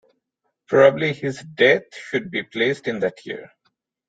Probably his death should be placed in that year.